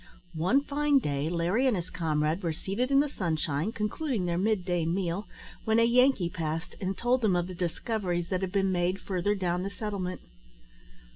One fine day, Larry and his comrade were seated in the sunshine, concluding their mid day meal, when a Yankee passed, and told them of the discoveries that had been made further down the settlement.